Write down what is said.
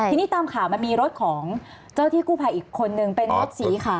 ทีนี้ตามข่าวมันมีรถของเจ้าที่กู้ภัยอีกคนนึงเป็นรถสีขาว